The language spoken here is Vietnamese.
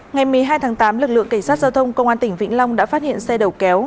ngày một mươi hai tháng tám lực lượng cảnh sát giao thông công an tỉnh vĩnh long đã phát hiện xe đầu kéo